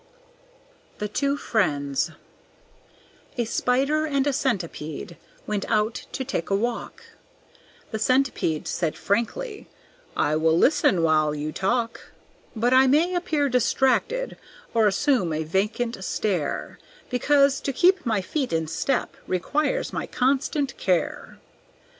The Two Friends A Spider and a Centipede went out to take a walk; The Centipede said frankly, "I will listen while you talk, But I may appear distracted, or assume a vacant stare, Because to keep my feet in step requires my constant care."